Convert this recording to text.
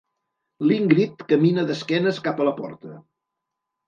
L'Ingrid camina d'esquenes cap a la porta.